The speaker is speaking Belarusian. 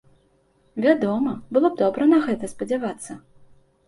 Вядома, было б добра на гэта спадзявацца.